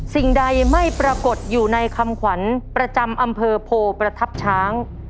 สิ่งใดไม่ปรากฏอยู่ในคำขวัญประจำอำเภอโพประทับช้าง